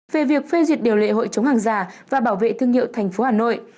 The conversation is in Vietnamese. về việc phê duyệt điều lệ hội chống hàng giả và bảo vệ thương hiệu tp hà nội